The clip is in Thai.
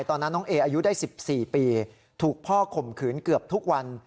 ตอนนั้นน้องเออายุได้๑๔ปีถูกพ่อข่มขืนเกือบทุกวัน